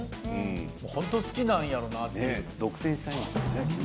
ホント好きなんやろうなっていう独占したいんですよね